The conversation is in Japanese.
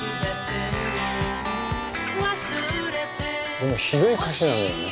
でもひどい歌詞なのよね。